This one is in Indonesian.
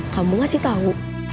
kamu gak sih tahu